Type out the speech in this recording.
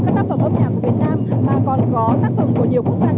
các tác phẩm âm nhạc của việt nam mà còn có tác phẩm của nhiều quốc gia